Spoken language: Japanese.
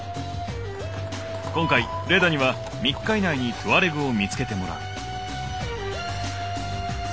今回レダには３日以内にトゥアレグを見つけてもらう。